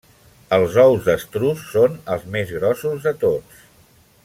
Els ous d'estruç són els més grossos de tots.